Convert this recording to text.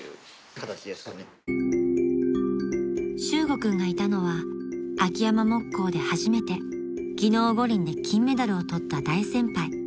［修悟君がいたのは秋山木工で初めて技能五輪で金メダルを取った大先輩］